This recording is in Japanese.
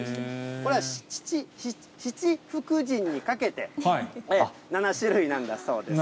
これ、七福神にかけて、７種類なんだそうです。